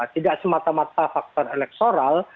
tidak semata mata faktor elektoral